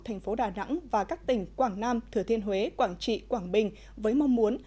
thành phố đà nẵng và các tỉnh quảng nam thừa thiên huế quảng trị quảng bình với mong muốn